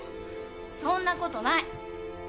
そんなことない。